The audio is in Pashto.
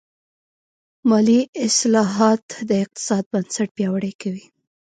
مالي اصلاحات د اقتصاد بنسټ پیاوړی کوي.